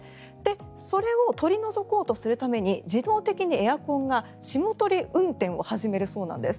それを取り除こうとするために自動的にエアコンが霜取り運転を始めるそうなんです。